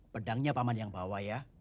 pedangnya paman yang bawah ya